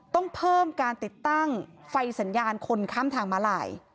ต้องเพิ่มการติดตั้งไฟสัญญาณคนข้ามทางมาลาย